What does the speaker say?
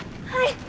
はい！